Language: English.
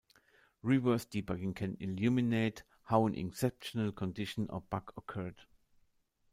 Reverse debugging can illuminate how an exceptional condition or bug occurred.